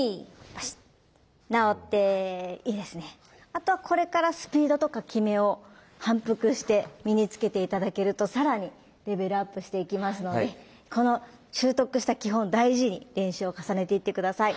あとこれからスピードとか極めを反復して身につけて頂けると更にレベルアップしていきますのでこの修得した基本を大事に練習を重ねていって下さい。